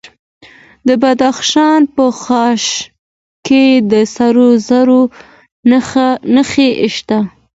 د بدخشان په خاش کې د سرو زرو نښې شته.